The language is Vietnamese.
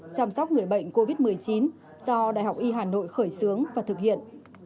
chăm sóc người bệnh covid một mươi chín do đại học y hà nội khởi xướng và thực hiện